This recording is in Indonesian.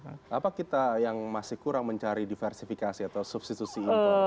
apa kita yang masih kurang mencari diversifikasi atau substitusi